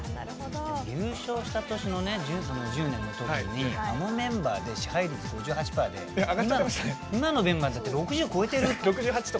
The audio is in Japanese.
優勝した年の２０１０年にあのメンバーで支配力５８％で今のメンバーだと６０超えてるって。